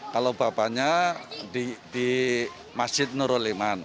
kalau bapaknya di masjid nurul iman